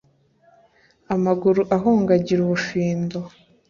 amaguru ahunga agira ubufindo